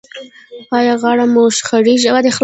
ایا غاړه مو شخیږي؟